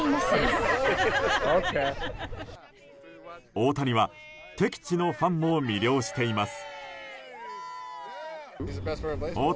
大谷は敵地のファンも魅了しています。